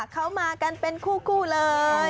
เขามากันเป็นคู่เลย